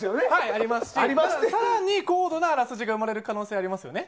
ありますし更に高度なあらすじが生まれる可能性もありますよね。